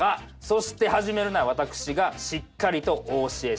そして始めるなら私がしっかりとお教えします。